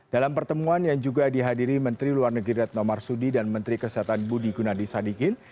dalam pertemuan yang juga dihadiri menteri luar negeri retno marsudi dan menteri kesehatan budi gunadisadikin